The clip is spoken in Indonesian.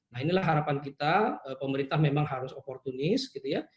nah inilah harapan kita pemerintah memang harus opportunis gitu ya